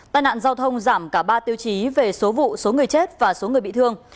tai nạn giao thông giảm cả ba tiêu chí về số vụ số người chết và số người bị thương